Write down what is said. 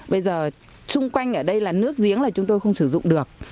bây giờ chung quanh ở đây là nước giếng là chúng tôi không sử dụng được